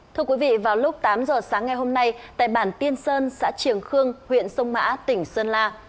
thưa quý vị vào lúc tám giờ sáng ngày hôm nay tại bản tiên sơn xã triềng khương huyện sông mã tỉnh sơn la